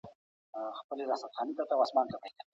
ایا نوي کروندګر بادام پروسس کوي؟